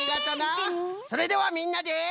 それではみんなで。